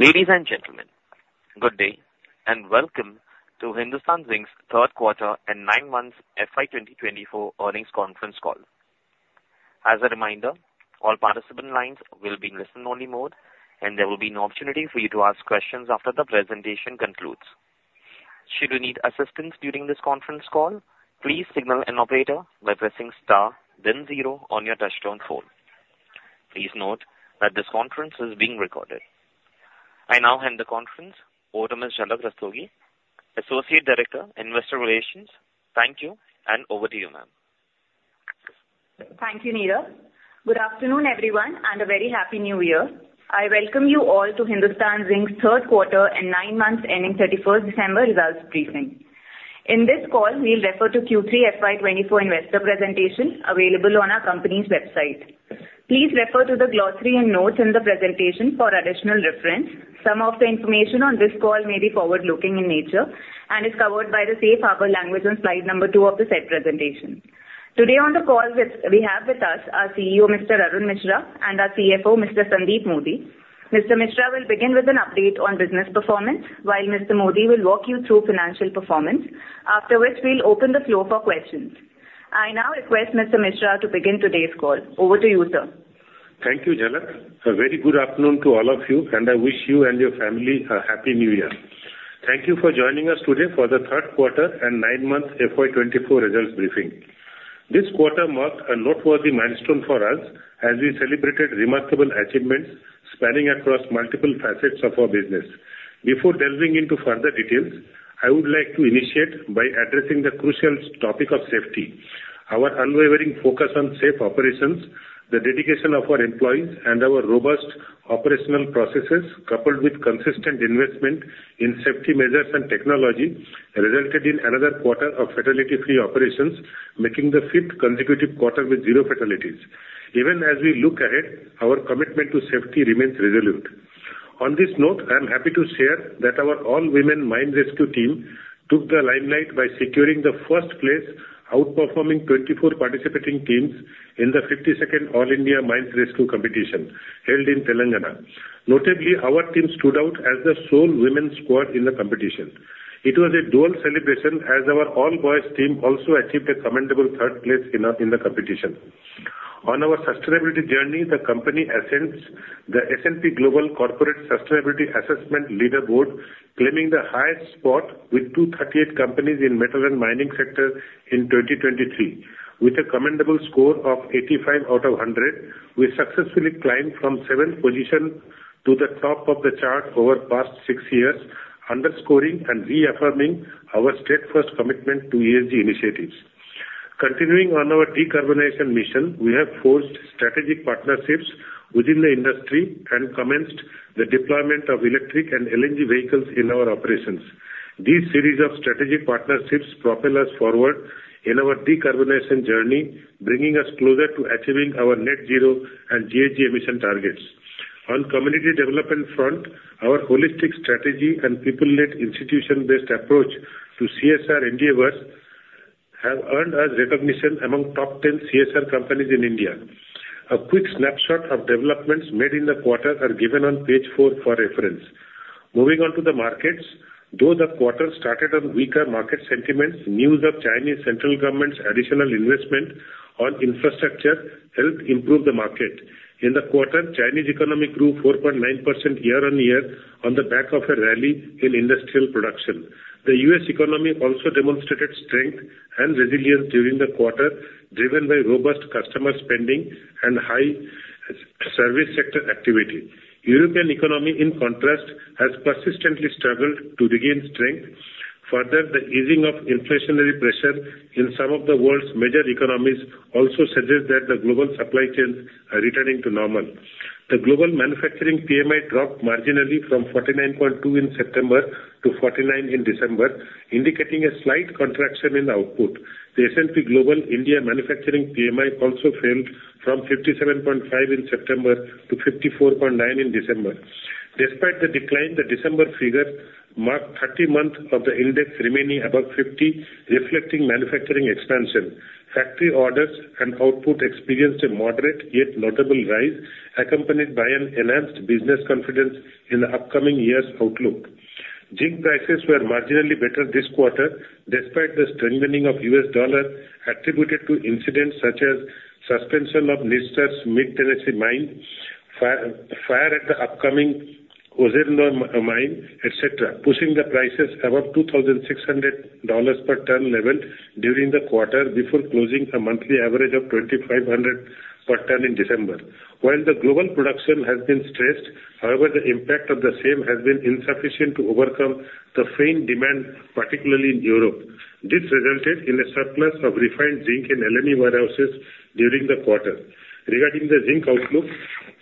Ladies and gentlemen, good day, and welcome to Hindustan Zinc's third quarter and nine months FY 2024 earnings conference call. As a reminder, all participant lines will be in listen-only mode, and there will be an opportunity for you to ask questions after the presentation concludes. Should you need assistance during this conference call, please signal an operator by pressing star then zero on your touchtone phone. Please note that this conference is being recorded. I now hand the conference over to Ms. Jhalak Rastogi, Associate Director, Investor Relations. Thank you, and over to you, ma'am. Thank you, Neeraj. Good afternoon, everyone, and a very Happy New Year. I welcome you all to Hindustan Zinc's third quarter and nine months ending thirty-first December results briefing. In this call, we'll refer to Q3 FY24 investor presentation available on our company's website. Please refer to the glossary and notes in the presentation for additional reference. Some of the information on this call may be forward-looking in nature and is covered by the safe harbor language on slide number 2 of the said presentation. Today on the call, we have with us our CEO, Mr. Arun Misra, and our CFO, Mr. Sandeep Modi. Mr. Misra will begin with an update on business performance, while Mr. Modi will walk you through financial performance. After which, we'll open the floor for questions. I now request Mr. Misra to begin today's call. Over to you, sir. Thank you, Jhalak. A very good afternoon to all of you, and I wish you and your family a Happy New Year. Thank you for joining us today for the third quarter and 9-month FY 2024 results briefing. This quarter marked a noteworthy milestone for us as we celebrated remarkable achievements spanning across multiple facets of our business. Before delving into further details, I would like to initiate by addressing the crucial topic of safety. Our unwavering focus on safe operations, the dedication of our employees, and our robust operational processes, coupled with consistent investment in safety measures and technology, resulted in another quarter of fatality-free operations, making the fifth consecutive quarter with zero fatalities. Even as we look ahead, our commitment to safety remains resolute. On this note, I'm happy to share that our all-women mine rescue team took the limelight by securing the first place, outperforming 24 participating teams in the 52nd All India Mines Rescue Competition, held in Telangana. Notably, our team stood out as the sole women's squad in the competition. It was a dual celebration as our all-boys team also achieved a commendable third place in the competition. On our sustainability journey, the company ascends the S&P Global Corporate Sustainability Assessment Leaderboard, claiming the highest spot with 238 companies in metal and mining sector in 2023. With a commendable score of 85 out of 100, we successfully climbed from seventh position to the top of the chart over the past six years, underscoring and reaffirming our steadfast commitment to ESG initiatives. Continuing on our decarbonization mission, we have forged strategic partnerships within the industry and commenced the deployment of electric and LNG vehicles in our operations. These series of strategic partnerships propel us forward in our decarbonization journey, bringing us closer to achieving our Net Zero and GHG emission targets. On community development front, our holistic strategy and people-led, institution-based approach to CSR endeavors have earned us recognition among top 10 CSR companies in India. A quick snapshot of developments made in the quarter are given on page 4 for reference. Moving on to the markets, though the quarter started on weaker market sentiments, news of Chinese central government's additional investment on infrastructure helped improve the market. In the quarter, Chinese economic grew 4.9% year-on-year on the back of a rally in industrial production. The US economy also demonstrated strength and resilience during the quarter, driven by robust customer spending and high service sector activity. European economy, in contrast, has persistently struggled to regain strength. Further, the easing of inflationary pressure in some of the world's major economies also suggests that the global supply chains are returning to normal. The global manufacturing PMI dropped marginally from 49.2 in September to 49 in December, indicating a slight contraction in output. The S&P Global India Manufacturing PMI also fell from 57.5 in September to 54.9 in December. Despite the decline, the December figure marked 30 months of the index remaining above 50, reflecting manufacturing expansion. Factory orders and output experienced a moderate yet notable rise, accompanied by an enhanced business confidence in the upcoming year's outlook. Zinc prices were marginally better this quarter, despite the strengthening of US dollar, attributed to incidents such as suspension of Nyrstar's Middle Tennessee mine, fire at the upcoming Ozernoye mine, et cetera, pushing the prices above $2,600 per ton level during the quarter, before closing a monthly average of $2,500 per ton in December. While the global production has been stressed, however, the impact of the same has been insufficient to overcome the faint demand, particularly in Europe. This resulted in a surplus of refined zinc in LME warehouses during the quarter. Regarding the zinc outlook,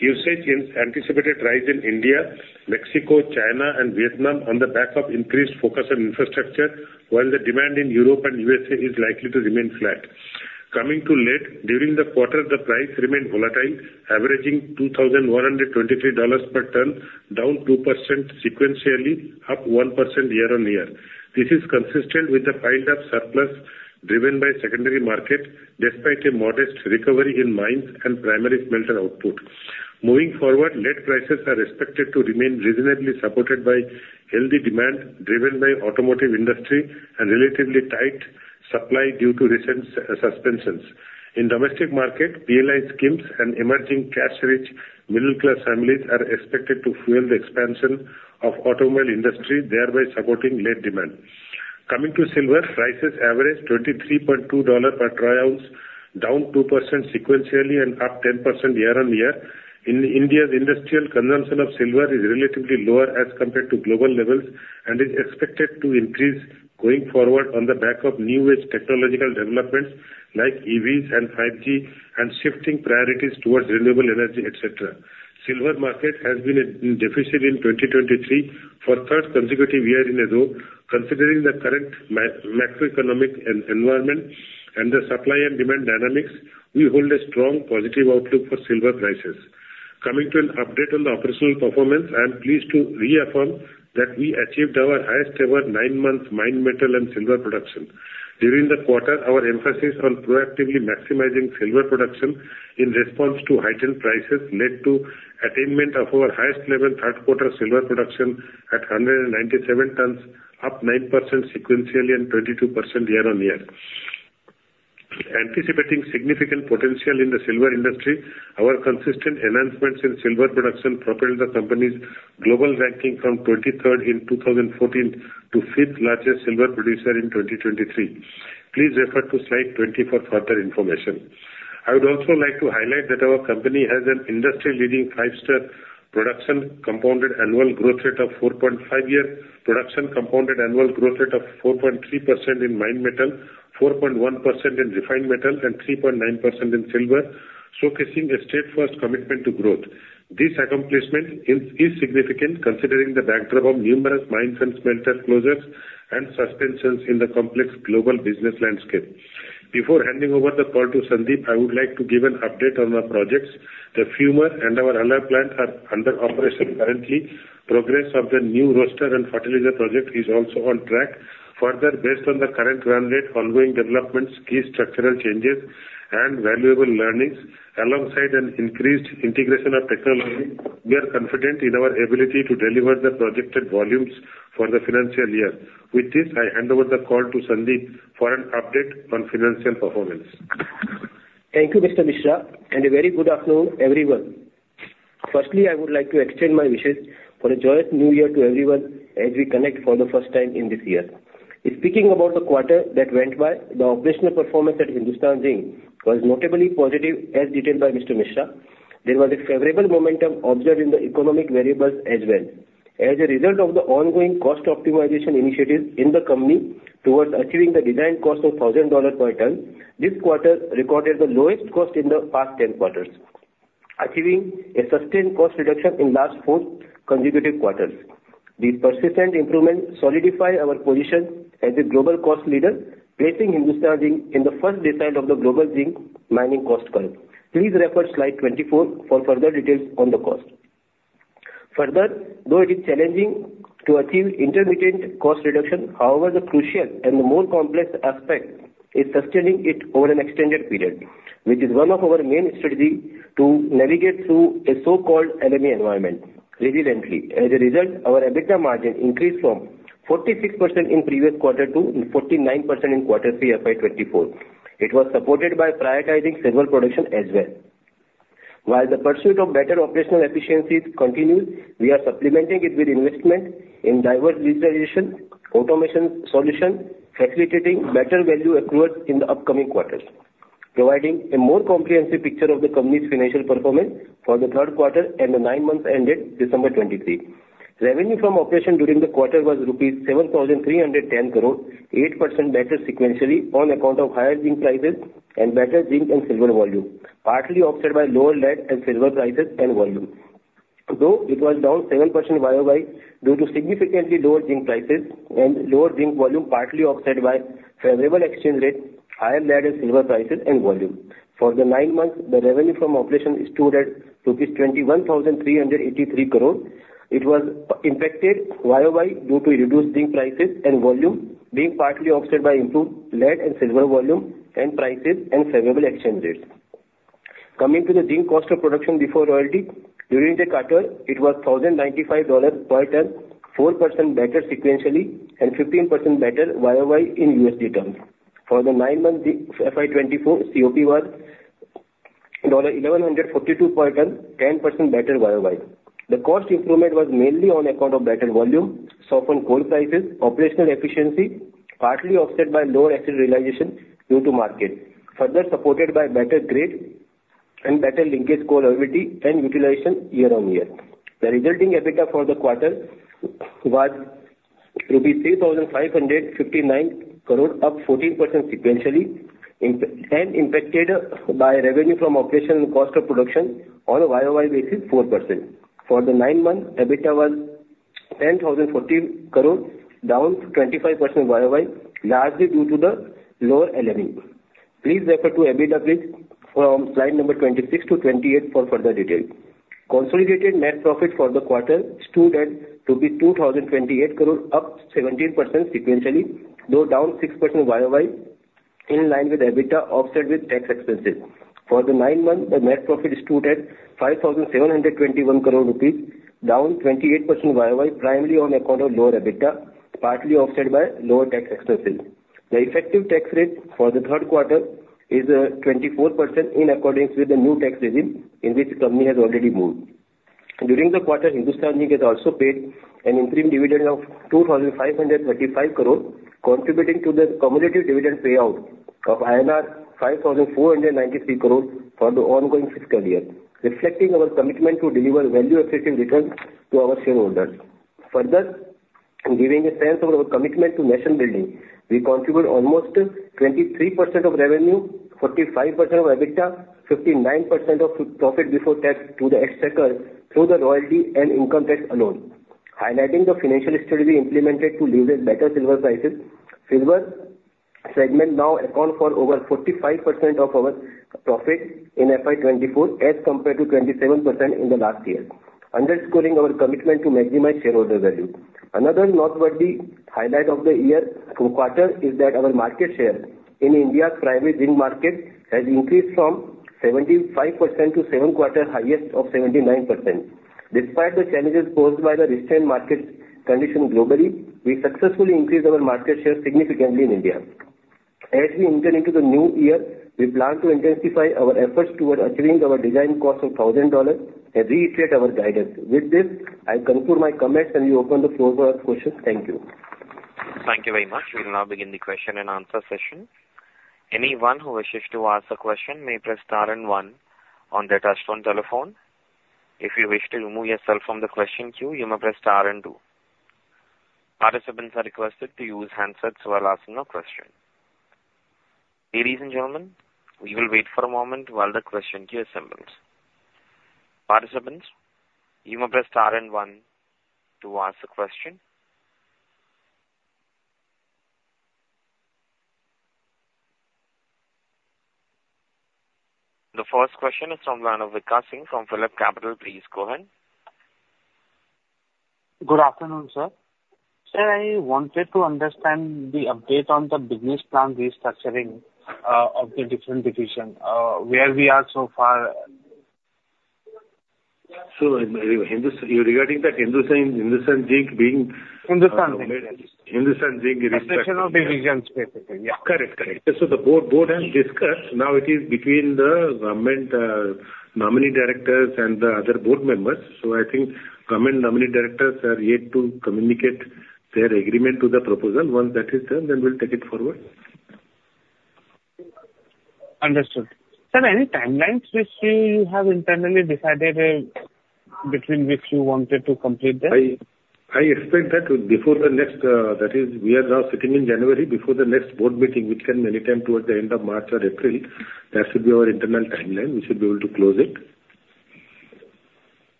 usage in anticipated rise in India, Mexico, China, and Vietnam on the back of increased focus on infrastructure, while the demand in Europe and USA is likely to remain flat. Coming to lead, during the quarter, the price remained volatile, averaging $2,123 per ton, down 2% sequentially, up 1% year-on-year. This is consistent with the pileup surplus driven by secondary market, despite a modest recovery in mines and primary smelter output. Moving forward, lead prices are expected to remain reasonably supported by healthy demand, driven by automotive industry and relatively tight supply due to recent suspensions. In domestic market, PLI schemes and emerging cash-rich middle class families are expected to fuel the expansion of automobile industry, thereby supporting lead demand. Coming to silver, prices averaged $23.2 dollars per Troy ounce, down 2% sequentially and up 10% year-on-year. In India's industrial consumption of silver is relatively lower as compared to global levels, and is expected to increase going forward on the back of new age technological developments like EVs and 5G, and shifting priorities towards renewable energy, et cetera. Silver market has been in deficit in 2023 for third consecutive year in a row. Considering the current macroeconomic environment and the supply and demand dynamics, we hold a strong positive outlook for silver prices. Coming to an update on the operational performance, I am pleased to reaffirm that we achieved our highest ever 9-month mine metal and silver production. During the quarter, our emphasis on proactively maximizing silver production in response to heightened prices led to attainment of our highest level third quarter silver production at 197 tons, up 9% sequentially and 22% year-on-year. Anticipating significant potential in the silver industry, our consistent enhancements in silver production propelled the company's global ranking from 23rd in 2014 to 5th largest silver producer in 2023. Please refer to slide 20 for further information. I would also like to highlight that our company has an industry-leading 5-year production compounded annual growth rate of 4.5 year, production compounded annual growth rate of 4.3% in mined metal, 4.1% in refined metal, and 3.9% in silver, showcasing a steadfast commitment to growth. This accomplishment is significant considering the backdrop of numerous mines and smelter closures and suspensions in the complex global business landscape. Before handing over the call to Sandeep, I would like to give an update on our projects. The Fumer and our Alloy plant are under operation currently. Progress of the new roaster and fertilizer project is also on track. Further, based on the current run rate, ongoing developments, key structural changes, and valuable learnings, alongside an increased integration of technology, we are confident in our ability to deliver the projected volumes for the financial year. With this, I hand over the call to Sandeep for an update on financial performance. Thank you, Mr. Misra, and a very good afternoon, everyone. Firstly, I would like to extend my wishes for a joyous New Year to everyone as we connect for the first time in this year. In speaking about the quarter that went by, the operational performance at Hindustan Zinc was notably positive, as detailed by Mr. Misra. There was a favorable momentum observed in the economic variables as well. As a result of the ongoing cost optimization initiatives in the company towards achieving the desired cost of $1,000 per ton, this quarter recorded the lowest cost in the past 10 quarters, achieving a sustained cost reduction in last four consecutive quarters. These persistent improvements solidify our position as a global cost leader, placing Hindustan Zinc in the first decile of the global zinc mining cost curve. Please refer slide 24 for further details on the cost. Further, though it is challenging to achieve intermittent cost reduction, however, the crucial and the more complex aspect is sustaining it over an extended period, which is one of our main strategy to navigate through a so-called LME environment resiliently. As a result, our EBITDA margin increased from 46% in previous quarter to 49% in quarter 3 FY 2024. It was supported by prioritizing silver production as well. While the pursuit of better operational efficiencies continues, we are supplementing it with investment in diverse digitalization, automation solution, facilitating better value accrual in the upcoming quarters, providing a more comprehensive picture of the company's financial performance for the third quarter and the 9 months ended December 2023. Revenue from operations during the quarter was INR 7,310 crore, 8% better sequentially on account of higher zinc prices and better zinc and silver volume, partly offset by lower lead and silver prices and volume. Though it was down 7% YOY, due to significantly lower zinc prices and lower zinc volume, partly offset by favorable exchange rate, higher lead and silver prices and volume. For the nine months, the revenue from operations stood at 21,383 crore. It was impacted YOY, due to reduced zinc prices and volume, being partly offset by improved lead and silver volume and prices and favorable exchange rates. Coming to the zinc cost of production before royalty, during the quarter, it was $1,095 per ton, 4% better sequentially and 15% better YOY in USD terms. For the nine months, the FY 2024 COP was $1,142 per ton, 10% better YoY. The cost improvement was mainly on account of better volume, soft on coal prices, operational efficiency, partly offset by lower actual realization due to market, further supported by better grade and better linkage coal availability and utilization year on year. The resulting EBITDA for the quarter was 3,559 crore, up 14% sequentially, impacted by revenue from operational cost of production on a YoY basis, 4%. For the nine months, EBITDA was 10,040 crore, down 25% YoY, largely due to the lower LME.... Please refer to Annexure from slide number 26-28 for further detail. Consolidated net profit for the quarter stood at 2,028 crore, up 17% sequentially, though down 6% YOY, in line with EBITDA, offset with tax expenses. For the nine months, the net profit stood at 5,721 crore rupees, down 28% YOY, primarily on account of lower EBITDA, partly offset by lower tax expenses. The effective tax rate for the third quarter is 24% in accordance with the new tax regime, in which the company has already moved. During the quarter, Hindustan Zinc has also paid an interim dividend of 2,535 crore, contributing to the cumulative dividend payout of INR 5,493 crore for the ongoing fiscal year, reflecting our commitment to deliver value-effective returns to our shareholders. Further, in giving a sense of our commitment to nation building, we contribute almost 23% of revenue, 45% of EBITDA, 59% of profit before tax to the exchequer through the royalty and income tax alone, highlighting the financial strategy we implemented to leverage better silver prices. Silver segment now account for over 45% of our profit in FY 2024, as compared to 27% in the last year, underscoring our commitment to maximize shareholder value. Another noteworthy highlight of the year, or quarter, is that our market share in India's private zinc market has increased from 75% to 7 quarter highest of 79%. Despite the challenges posed by the restrained market condition globally, we successfully increased our market share significantly in India. As we enter into the new year, we plan to intensify our efforts towards achieving our design cost of $1,000 and reiterate our guidance. With this, I conclude my comments, and we open the floor for questions. Thank you. Thank you very much. We will now begin the question and answer session. Anyone who wishes to ask a question may press star and one on their touchtone telephone. If you wish to remove yourself from the question queue, you may press star and two. Participants are requested to use handsets while asking a question. Ladies and gentlemen, we will wait for a moment while the question queue assembles. Participants, you may press star and one to ask a question. The first question is from Vikas Singh from PhillipCapital. Please go ahead. Good afternoon, sir. Sir, I wanted to understand the update on the business plan restructuring of the different division. Where we are so far? So, regarding that Hindustan Zinc being- Hindustan Zinc. Hindustan Zinc- Structural divisions, basically. Yeah. Correct, correct. So the board has discussed. Now it is between the government nominee directors and the other board members. So I think government nominee directors are yet to communicate their agreement to the proposal. Once that is done, then we'll take it forward. Understood. Sir, any timelines which you have internally decided, between which you wanted to complete that? I expect that before the next, that is, we are now sitting in January, before the next board meeting, which can be anytime towards the end of March or April, that should be our internal timeline. We should be able to close it.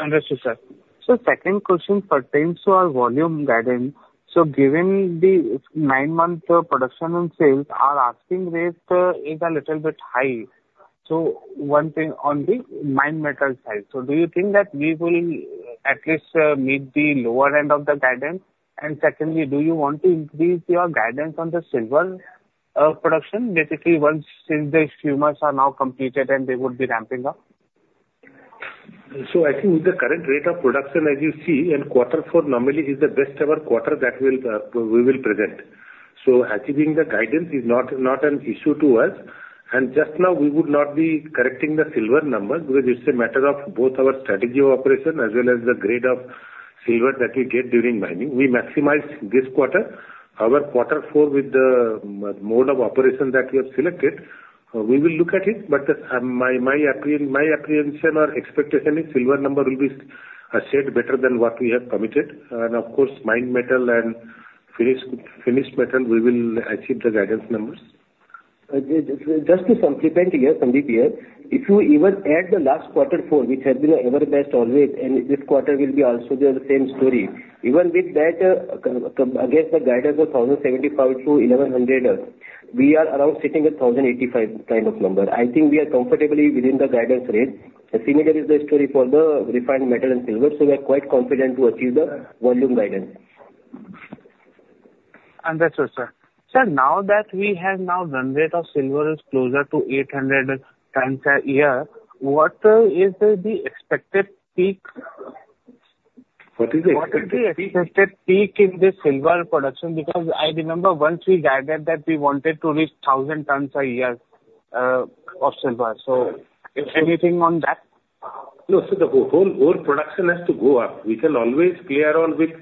Understood, sir. So second question pertains to our volume guidance. So given the nine-month production and sales, our asking rate is a little bit high. So one thing on the mine metal side. So do you think that we will at least meet the lower end of the guidance? And secondly, do you want to increase your guidance on the silver production, basically once since the skews are now completed and they would be ramping up? So I think with the current rate of production, as you see, and quarter four normally is the best ever quarter that we will present. So achieving the guidance is not, not an issue to us. And just now, we would not be correcting the silver numbers, because it's a matter of both our strategy of operation as well as the grade of silver that we get during mining. We maximize this quarter. However, quarter four, with the mode of operation that we have selected, we will look at it, but, my apprehension or expectation is silver number will be, shared better than what we have committed. And of course, mined metal and finished, finished metal, we will achieve the guidance numbers. Just to supplement here, Sondeep here. If you even add the last quarter four, which has been our ever best always, and this quarter will be also the same story, even with that, against the guidance of 1,075-1,100, we are around sitting at 1,085 kind of number. I think we are comfortably within the guidance range, and similar is the story for the refined metal and silver, so we are quite confident to achieve the volume guidance. Understood, sir. Sir, now that we have now run rate of silver is closer to 800 tonnes a year, what is the expected peak? What is the- What is the expected peak in the silver production? Because I remember once we guided that we wanted to reach 1,000 tonnes a year of silver. So if anything on that? No, so the whole world production has to go up. We can always play around with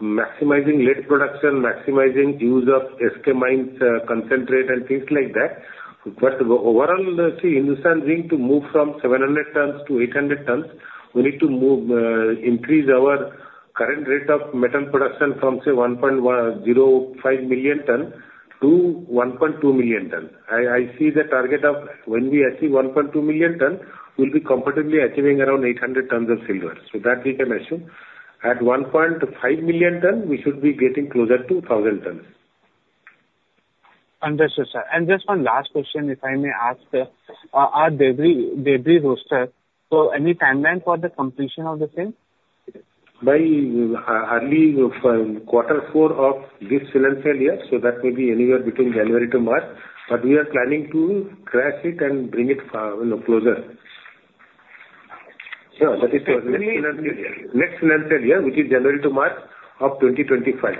maximizing lead production, maximizing use of SK mines, concentrate and things like that. But overall, see, Hindustan Zinc to move from 700 tons to 800 tons, we need to move, increase our current rate of metal production from, say, 1.105 million tons to 1.2 million tons. I see the target of when we achieve 1.2 million tons, we'll be comfortably achieving around 800 tons of silver, so that we can assume.... at 1.5 million tons, we should be getting closer to 1,000 tons. Understood, sir. Just one last question, if I may ask. Our Debari roaster, so any timeline for the completion of the same? By early quarter four of this financial year, so that may be anywhere between January to March, but we are planning to crash it and bring it, you know, closer. Sure, that is the next financial year. Next financial year, which is January to March of 2025.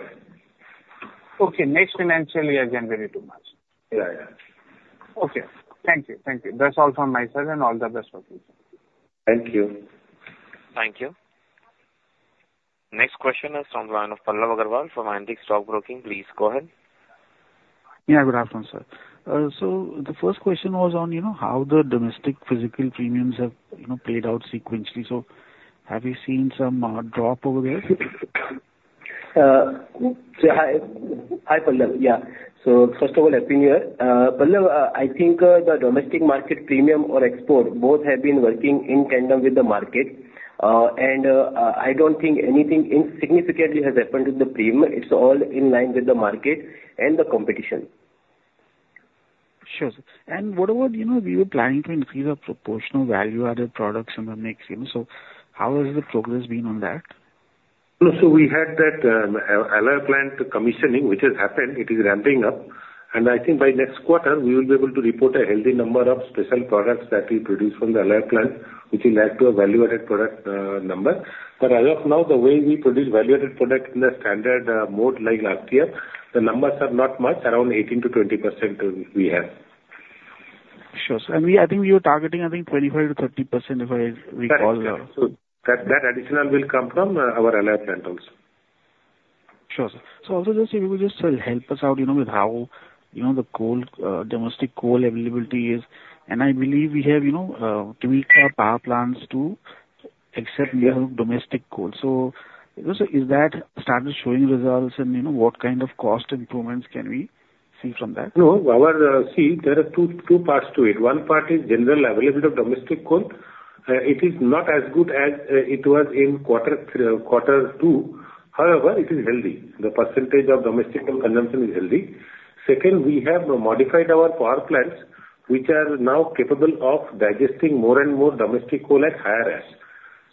Okay, next financial year, January to March. Yeah, yeah. Okay. Thank you. Thank you. That's all from my side, and all the best for you. Thank you. Thank you. Next question is from the line of Pallav Agarwal from Antique Stock Broking. Please go ahead. Yeah, good afternoon, sir. The first question was on, you know, how the domestic physical premiums have, you know, played out sequentially. Have you seen some drop over there? Hi, Pallav. Yeah. So first of all, happy new year. Pallav, I think the domestic market premium or export, both have been working in tandem with the market. And I don't think anything insignificantly has happened in the premium. It's all in line with the market and the competition. Sure, sir. And what about, you know, we were planning to increase our proportional value-added products in the next year, so how has the progress been on that? So we had that, alloy plant commissioning, which has happened. It is ramping up, and I think by next quarter, we will be able to report a healthy number of special products that we produce from the alloy plant, which will add to a value-added product number. But as of now, the way we produce value-added product in the standard mode like last year, the numbers are not much, around 18%-20%, we have. Sure, sir. And I think we were targeting, I think, 25%-30%, if I recall well. That additional will come from our alloy plant also. Sure, sir. So also just, if you would just, help us out, you know, with how, you know, the coal, domestic coal availability is, and I believe we have, you know, tweaks our power plants to accept your domestic coal. So, you know, so is that started showing results, and, you know, what kind of cost improvements can we see from that? No, our... See, there are two, two parts to it. One part is general availability of domestic coal. It is not as good as it was in quarter two, however, it is healthy. The percentage of domestic coal consumption is healthy. Second, we have modified our power plants, which are now capable of digesting more and more domestic coal at higher ash.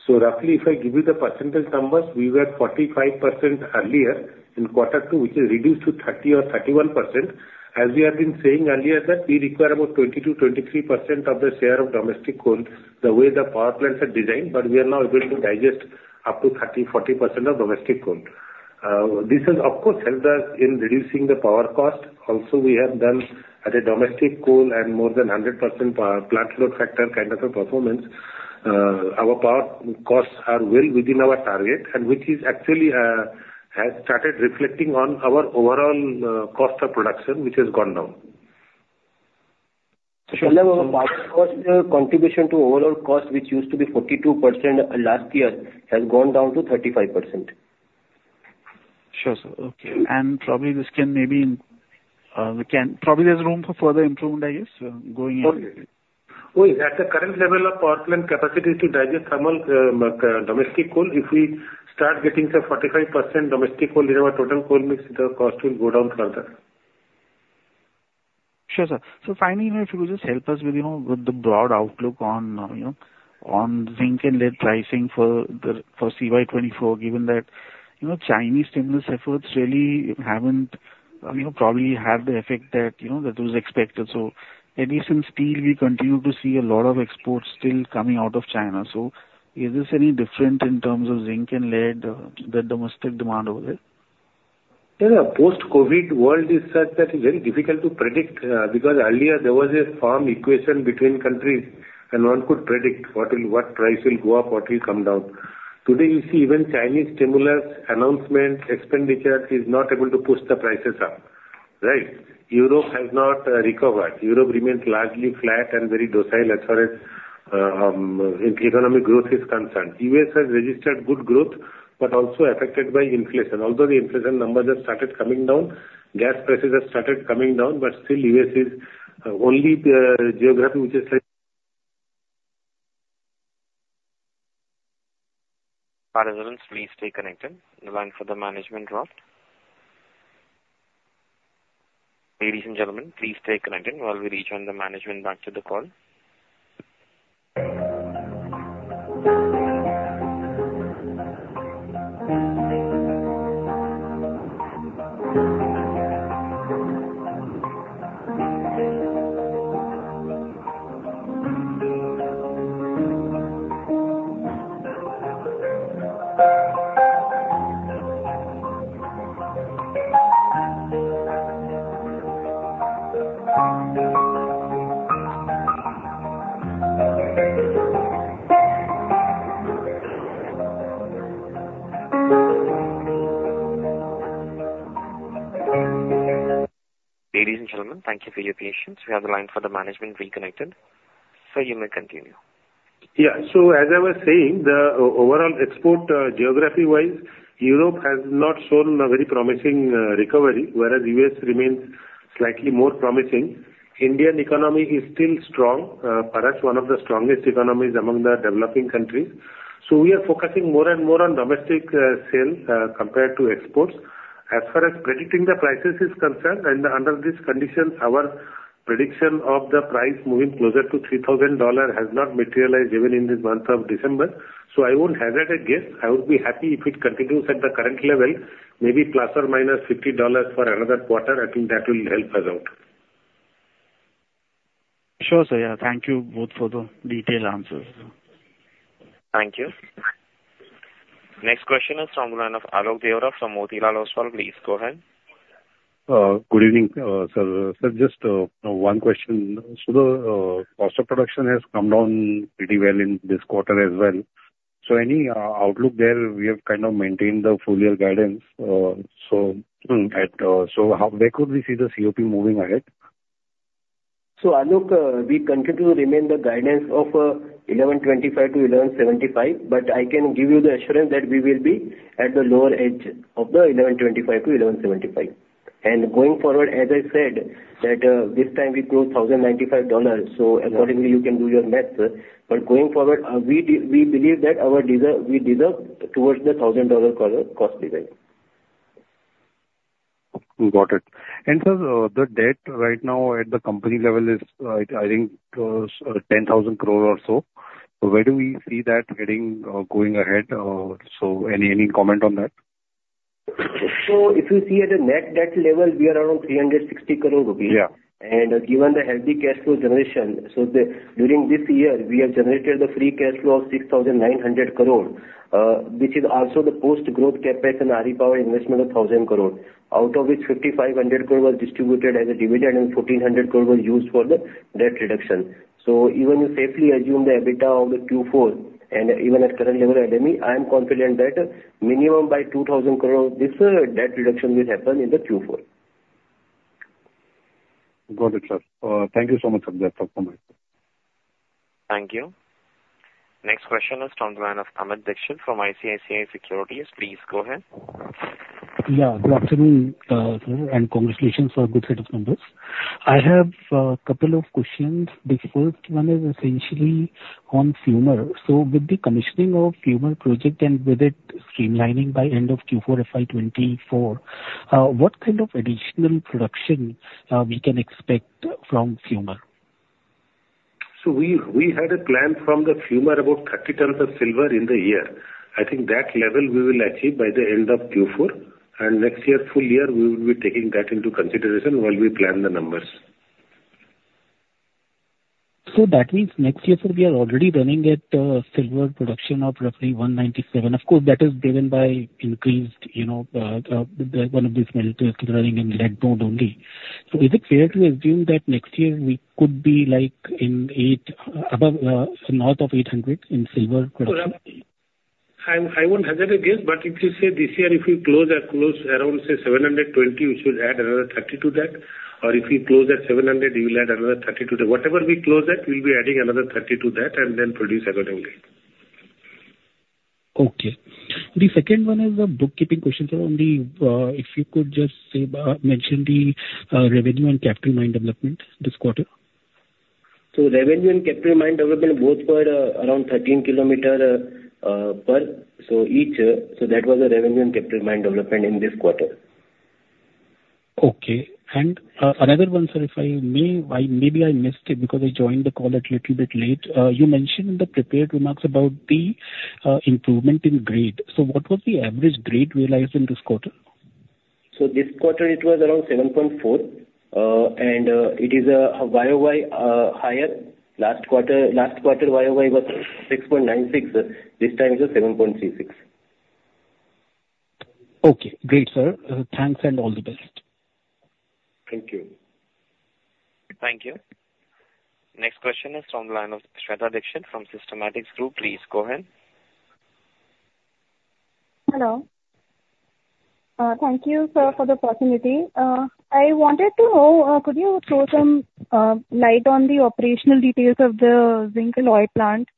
So roughly, if I give you the percentage numbers, we were 45% earlier in quarter two, which is reduced to 30 or 31%. As we have been saying earlier, that we require about 20%-23% of the share of domestic coal, the way the power plants are designed, but we are now able to digest up to 30, 40% of domestic coal. This has, of course, helped us in reducing the power cost. Also, we have done at a domestic coal and more than 100% power plant load factor kind of a performance. Our power costs are well within our target and which is actually, has started reflecting on our overall, cost of production, which has gone down. Contribution to overall cost, which used to be 42% last year, has gone down to 35%. Sure, sir. Okay, and probably this can maybe, probably there's room for further improvement, I guess, going in. Oh, yes. At the current level of power plant capacity to digest thermal, domestic coal, if we start getting some 45% domestic coal in our total coal mix, the cost will go down further. Sure, sir. So finally, if you could just help us with, you know, with the broad outlook on, you know, on zinc and lead pricing for the, for CY 2024, given that, you know, Chinese stimulus efforts really haven't, you know, probably had the effect that, you know, that was expected. So at least in steel, we continue to see a lot of exports still coming out of China. So is this any different in terms of zinc and lead, the domestic demand over there? Yeah, the post-COVID world is such that it's very difficult to predict, because earlier there was a firm equation between countries, and one could predict what will, what price will go up, what will come down. Today, you see even Chinese stimulus, announcement, expenditure is not able to push the prices up, right? Europe has not recovered. Europe remains largely flat and very docile as far as economic growth is concerned. U.S. has registered good growth, but also affected by inflation. Although the inflation numbers have started coming down, gas prices have started coming down, but still U.S. is only geography, which is like- Please stay connected. The line for the management dropped. Ladies and gentlemen, please stay connected while we return the management back to the call. Ladies and gentlemen, thank you for your patience. We have the line for the management reconnected. Sir, you may continue. Yeah. So as I was saying, the overall export, geography-wise, Europe has not shown a very promising recovery, whereas U.S. remains slightly more promising. Indian economy is still strong, perhaps one of the strongest economies among the developing countries. So we are focusing more and more on domestic sales compared to exports. As far as predicting the prices is concerned, and under these conditions, our prediction of the price moving closer to $3,000 has not materialized even in this month of December. So I won't hazard a guess. I would be happy if it continues at the current level, maybe ±$50 for another quarter. I think that will help us out. Sure, sir. Yeah, thank you both for the detailed answers. Thank you. Next question is from the line of Alok Deora from Motilal Oswal. Please go ahead. Good evening, sir. Sir, just one question. So the cost of production has come down pretty well in this quarter as well. So any outlook there? We have kind of maintained the full year guidance, so how, where could we see the COP moving ahead? So Alok, we continue to remain the guidance of $1,125-$1,175, but I can give you the assurance that we will be at the lower edge of the $1,125-$1,175. And going forward, as I said, that this time we closed $1,095, so accordingly you can do your math. But going forward, we believe that we deserve towards the $1,000 cost, cost design. Got it. And sir, the debt right now at the company level is, I think, 10,000 crore or so. Where do we see that heading, going ahead, so any comment on that? If you see at the net debt level, we are around 360 crore rupees. Yeah. Given the healthy cash flow generation, during this year, we have generated the free cash flow of 6,900 crore, which is also the post-growth CapEx and RE power investment of 1,000 crore. Out of which, 5,500 crore was distributed as a dividend, and 1,400 crore was used for the debt reduction. So even you safely assume the EBITDA of the Q4, and even at current level, LME, I am confident that minimum by 2,000 crore, this debt reduction will happen in the Q4. Got it, sir. Thank you so much for that. Thank you. Next question is on the line of Amit Dixit from ICICI Securities. Please go ahead. Yeah, good afternoon, sir, and congratulations for a good set of numbers. I have a couple of questions. The first one is essentially on Fumer. So with the commissioning of Fumer project and with it streamlining by end of Q4 FY 2024, what kind of additional production, we can expect from Fumer? So we had a plan from the Fumer about 30 tons of silver in the year. I think that level we will achieve by the end of Q4, and next year, full year, we will be taking that into consideration while we plan the numbers. So that means next year, sir, we are already running at silver production of roughly 197. Of course, that is driven by increased, you know, one of these smelters running in red mode only. So is it fair to assume that next year we could be, like, 800, above, north of 800 in silver production? I, I won't hazard a guess, but if you say this year, if we close at close around, say, $720, we should add another $30 to that. Or if we close at $700, we will add another $30 to that. Whatever we close at, we'll be adding another $30 to that and then produce accordingly. Okay. The second one is a bookkeeping question, sir, on the, if you could just say, mention the, revenue and capital mine development this quarter. Revenue and capital mine development both were around 13 kilometers per so each. So that was the revenue and capital mine development in this quarter. Okay. And, another one, sir, if I may, I, maybe I missed it because I joined the call a little bit late. You mentioned in the prepared remarks about the, improvement in grade. So what was the average grade realized in this quarter? So this quarter it was around 7.4, and it is a YOY higher. Last quarter YOY was 6.96. This time it's a 7.36. Okay, great, sir. Thanks and all the best. Thank you. Thank you. Next question is from the line of Shweta Dixit from Systematix Group. Please go ahead. Hello. Thank you, sir, for the opportunity. I wanted to know, could you throw some light on the operational details of the zinc alloy plant?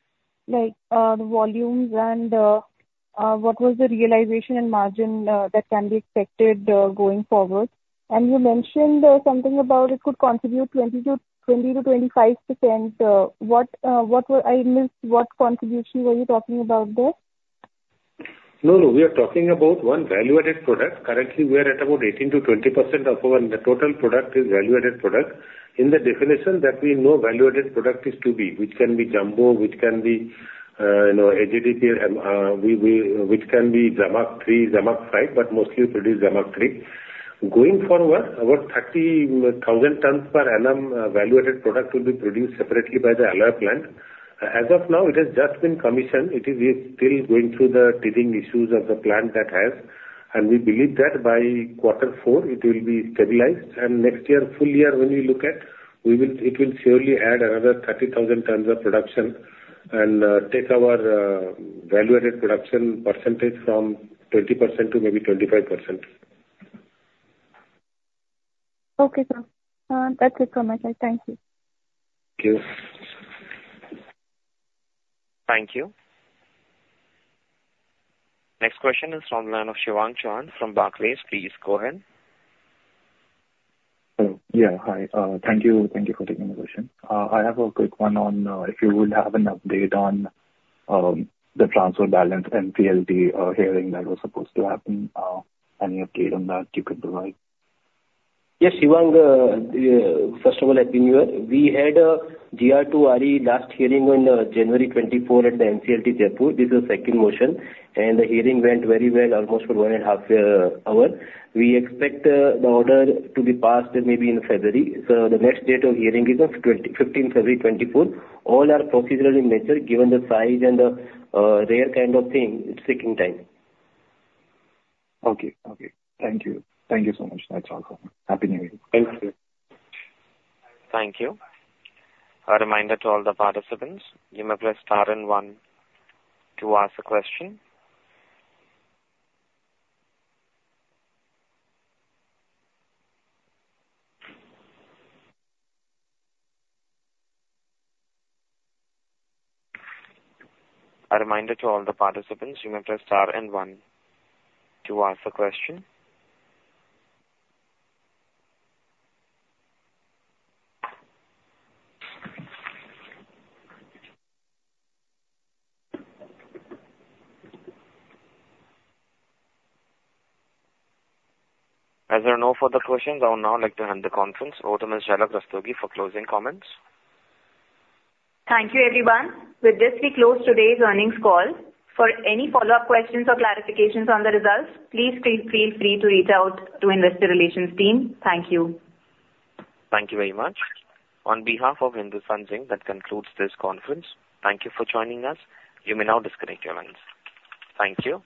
Like, the volumes and, what was the realization and margin, that can be expected, going forward. And you mentioned, something about it could contribute 20%-25%. What were... I missed what contribution were you talking about there? No, no, we are talking about one value-added product. Currently, we are at about 18%-20% of our, the total product is value-added product. In the definition that we know, value-added product is to be, which can be jumbo, which can be, you know, uncertain, we, we, which can be Zamak 3, Zamak 5, but mostly produce Zamak 3. Going forward, about 30,000 tons per annum, value-added product will be produced separately by the alloy plant. As of now, it has just been commissioned. It is still going through the teething issues of the plant that has, and we believe that by quarter four it will be stabilized. Next year, full year, when you look at, we will- it will surely add another 30,000 tons of production and, take our, value-added production percentage from 20% to maybe 25%. Okay, sir. That's it from my side. Thank you. Thank you. ...Thank you. Next question is from the line of Shivank Chauhan from Barclays. Please go ahead. Oh, yeah. Hi. Thank you. Thank you for taking the question. I have a quick one on, if you would have an update on, the transfer balance NCLT hearing that was supposed to happen. Any update on that you could provide? Yes, Shivank, first of all, happy New Year. We had a GR to RE last hearing on January 24 at the NCLT, Jaipur. This is second motion, and the hearing went very well, almost for one and half hour. We expect the order to be passed maybe in February. So the next date of hearing is on 25th February 2024. All are procedural in nature, given the size and the rare kind of thing. It's taking time. Okay. Okay. Thank you. Thank you so much. That's all for now. Happy New Year! Thank you. Thank you. A reminder to all the participants, you may press star and one to ask a question. A reminder to all the participants, you may press star and one to ask a question. As there are no further questions, I would now like to end the conference. Over to Mis. Jhalak Rastogi for closing comments. Thank you, everyone. With this, we close today's earnings call. For any follow-up questions or clarifications on the results, please feel free to reach out to Investor Relations team. Thank you. Thank you very much. On behalf of Hindustan Zinc, that concludes this conference. Thank you for joining us. You may now disconnect your lines. Thank you.